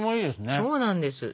そうなんです。